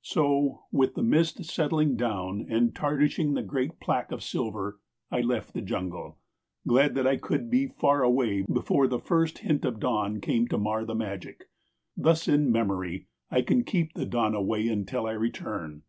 So, with the mist settling down and tarnishing the great plaque of silver, I left the jungle, glad that I could be far away before the first hint of dawn came to mar the magic. Thus in memory I can keep the dawn away until I return.